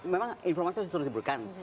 memang informasi harus disuruh dihubungkan